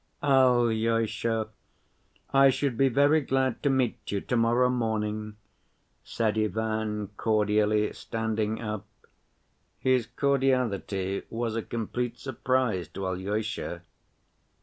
"Alyosha, I should be very glad to meet you to‐morrow morning," said Ivan cordially, standing up. His cordiality was a complete surprise to Alyosha.